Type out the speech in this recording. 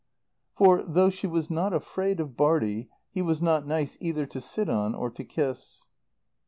For, though she was not afraid of Bartie, he was not nice either to sit on or to kiss.